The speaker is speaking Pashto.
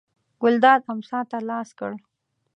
ګلداد امسا ته لاس کړ.